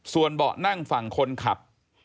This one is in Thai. ส่วนเบาะนั่งฝั่งคนขับ